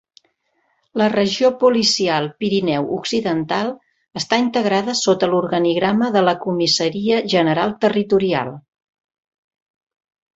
La Regió Policial Pirineu Occidental està integrada sota l'organigrama de la Comissaria General Territorial.